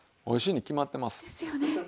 おいしいに決まってます。ですよね。